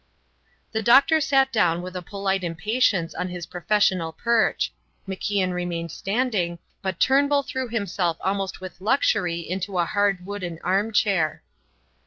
The doctor sat down with a polite impatience on his professional perch; MacIan remained standing, but Turnbull threw himself almost with luxury into a hard wooden arm chair.